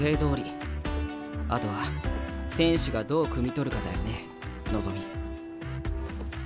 あとは選手がどうくみ取るかだよね望。